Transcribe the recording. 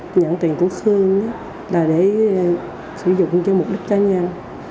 tôi nhận tiền của khương là để sử dụng cho mục đích cá nhân